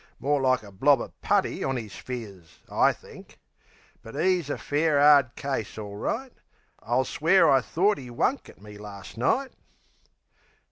More like a blob of putty on 'is phiz, I think. But 'e's a fair 'ard case, all right. I'll swear I thort 'e wunk at me last night!